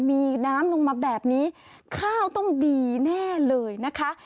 มีน้ำลงมาแบบนี้ข้าวต้องดีแน่เลยนะคะ